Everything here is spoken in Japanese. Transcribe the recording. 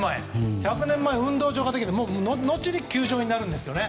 １００年前、運動場ができて後に球場になるんですよね。